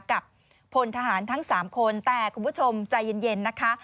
พลทหารทั้ง๓คนแต่คุณผู้ชมใจเย็นนะคะ